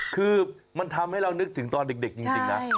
คือมันทำให้เรานึกถึงตอนเด็กจริงนะ